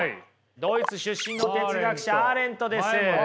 ドイツ出身の哲学者アーレントです。